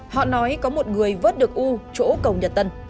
họ nói có một người vớt được u chỗ cầu nhật tân